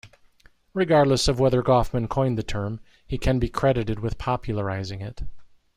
Regardless of whether Goffman coined the term, he can be credited with popularizing it.